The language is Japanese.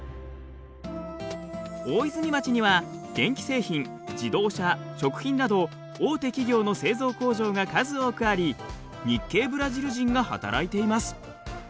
大泉町には電機製品自動車食品など大手企業の製造工場が数多くあり日系ブラジル人が働いています。